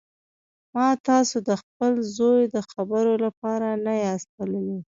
ما تاسو د خپل زوی د خبرو لپاره نه یاست بللي